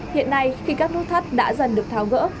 hiện nay khi các nút thắt đã dần được tháo gỡ